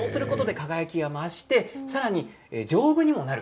輝きが増して丈夫にもなる。